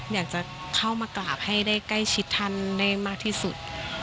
อยากจะเข้ามากราบให้ได้ใกล้ชิดท่านได้มากที่สุด